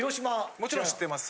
もちろん知ってます。